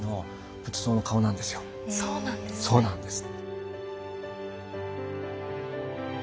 そうなんです。